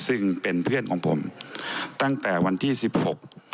ซึ่งเป็นเพื่อนของผมตั้งแต่วันที่สิบหก